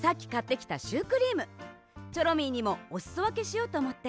チョロミーにもおすそわけしようとおもって。